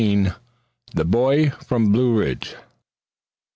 THE BOY FROM THE BLUE RIDGE.